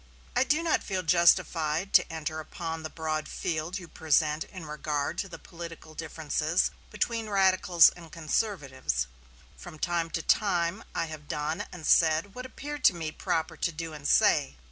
I do not feel justified to enter upon the broad field you present in regard to the political differences between radicals and conservatives. From time to time I have done and said what appeared to me proper to do and say.